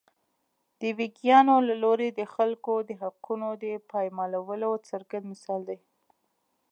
د ویګیانو له لوري د خلکو د حقونو د پایمالولو څرګند مثال دی.